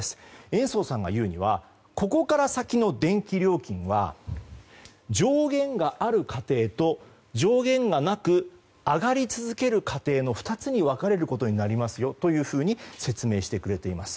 延増さんが言うにはここから先の電気料金は上限がある家庭と上限がなく上がり続ける家庭の２つに分かれることになりますよと説明してくれています。